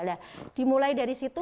nah dimulai dari situ